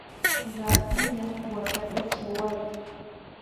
Ratulla wakata chawaruy!